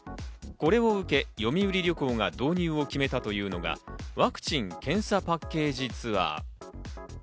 これを受け、読売旅行が導入を決めたというのがワクチン・検査パッケージツアー。